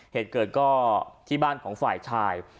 เหตุเกิดก็ที่บ้านของฝ่ายชาย